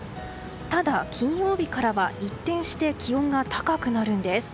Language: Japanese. ただ、金曜日からは一転して気温が高くなるんです。